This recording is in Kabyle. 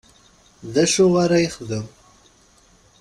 D acu ara yexdem ?